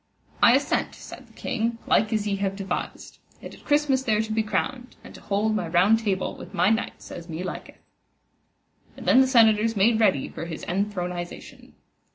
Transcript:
I assent, said the king, like as ye have devised, and at Christmas there to be crowned, and to hold my Round Table with my knights as me liketh. And then the senators made ready for his enthronization.